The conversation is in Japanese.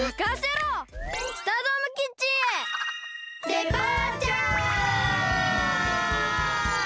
デパーチャー！